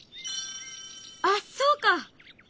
あっそうか！